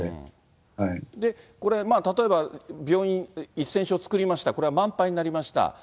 これ、例えば病院、１０００床作りました、これは満杯になりました、